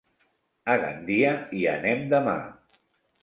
A Gandia hi anem demà.